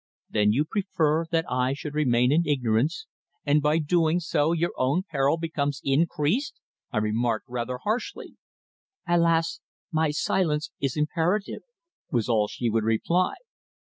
"Then you prefer that I should remain in ignorance, and by doing so your own peril becomes increased!" I remarked, rather harshly. "Alas! my silence is imperative," was all she would reply.